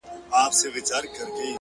ستا د غرور حسن ځوانۍ په خـــاطــــــــر!